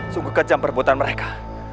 sungguh kejam perbuatan mereka